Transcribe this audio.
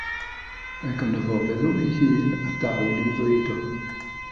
Mae gynno fo feddwl ei hun, a dawn i'w ddeud o.